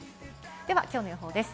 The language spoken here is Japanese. ではきょうの予報です。